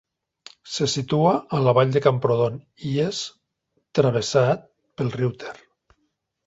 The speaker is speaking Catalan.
Se situa a la Vall de Camprodon i és travessat pel riu Ter.